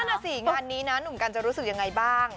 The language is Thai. นั่นน่ะสิงานนี้นะหนุ่มกันจะรู้สึกยังไงบ้าง